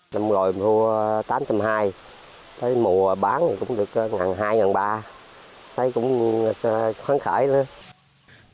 năm gọi mùa tám hai mùa bán cũng được ngàn hai ngàn ba thấy cũng phấn khởi lắm